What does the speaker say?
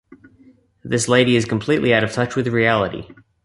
This lady is completely out of touch with reality.